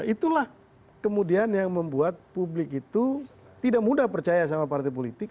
itulah kemudian yang membuat publik itu tidak mudah percaya sama partai politik